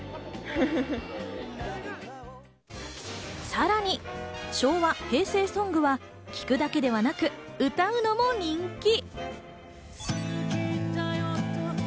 さらに、昭和・平成ソングは聞くだけではなく、歌うのも人気。